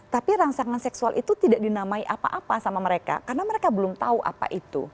tapi rangsangan seksual itu tidak dinamai apa apa sama mereka karena mereka belum tahu apa itu